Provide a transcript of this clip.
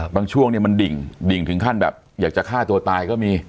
ช่วงเนี่ยมันดิ่งดิ่งถึงขั้นแบบอยากจะฆ่าตัวตายก็มี